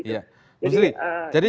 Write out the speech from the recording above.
jadi nanti kami tunggu